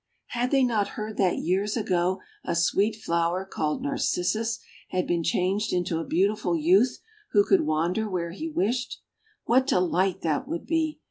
Had they not heard that years ago a sweet flower called Narcissus had been changed into a beautiful youth, who could wander where he wished? What delight that would be!